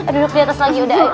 duduk diatas lagi udah